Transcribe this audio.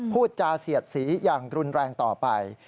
พูดจาเสียดสีอย่างรุนแรงต่อไป